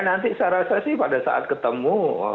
nanti saya rasa sih pada saat ketemu